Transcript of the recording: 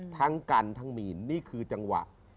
ทั้งกันทั้งมีนนี่คือจังหวะ